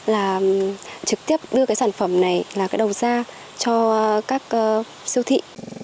là trực tiếp đưa cái sản phẩm này là cái đầu ra cho các siêu thị